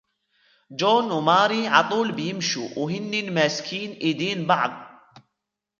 جون وماري عطول بيمشوا وهنن ماسكين ايدين بعض